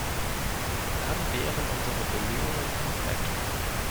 Dann wären unsere Bemühungen komplett.